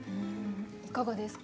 いかがですか？